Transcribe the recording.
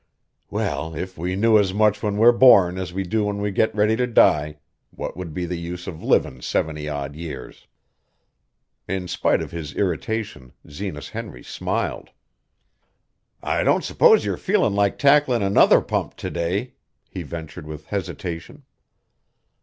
"Well, if we knew as much when we're born as we do when we get ready to die, what would be the use of livin' seventy odd years?" In spite of his irritation Zenas Henry smiled. "I don't s'pose you're feelin' like tacklin' another pump to day," he ventured with hesitation.